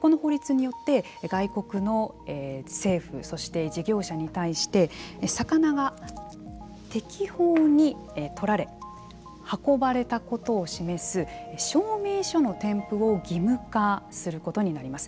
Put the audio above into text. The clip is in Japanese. この法律によって外国の政府そして事業者に対して魚が適法に取られ運ばれたことを示す証明書の添付を義務化することになります。